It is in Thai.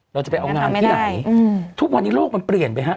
เราจะไปเอางานที่ไหนทุกวันนี้โลกมันเปลี่ยนไปฮะ